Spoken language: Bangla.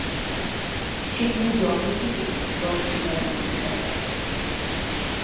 সেখানে জঙ্গল কেটে বসতি বানান ঘোষালরা।